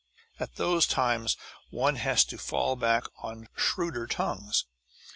At those times one has to fall back on shrewder tongues.